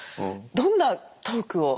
どんなトークを？